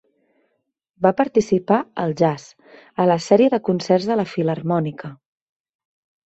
Va participar al jazz, a la sèrie de concerts de la filharmònica.